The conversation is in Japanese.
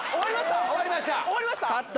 終わりました？